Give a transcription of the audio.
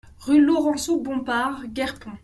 Rue Laurenceau Bompard, Guerpont